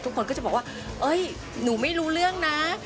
ทุกคนก็จะบอกว่าหนูไม่รู้เรื่องนะ